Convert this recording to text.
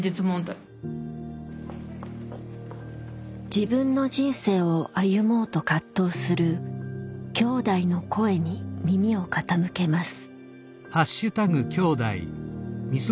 自分の人生を歩もうと葛藤するきょうだいの声に耳を傾けます。